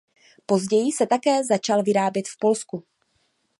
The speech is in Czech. Později se také začal vyrábět v Polsku.